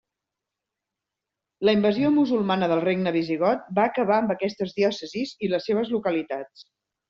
La invasió musulmana del regne visigot va acabar amb aquestes diòcesis i les seves localitats.